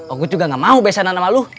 ogut juga gak mau besen sama lu